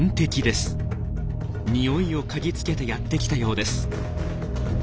ニオイを嗅ぎつけてやってきたようです。